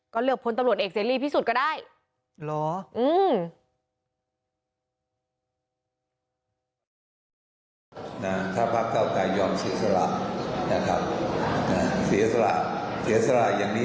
ก็เลือกผลตำรวจเอกเซลลี่พิสูจน์ก็ได้